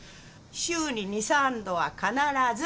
週に２３度は必ず。